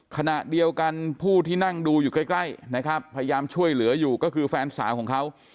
ขณะเดียวกันผู้ที่นั่งดูอยู่ใกล้นะครับพยายามช่วยเหลืออยู่ก็คือแฟนสาวของเขา